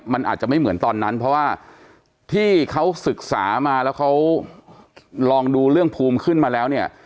มันอาจจะไม่เหมือนตอนนั้นเพราะว่าที่เขาศึกษามาแล้วเขาลองดูเรื่องภูมิขึ้นมาแล้วเนี่ย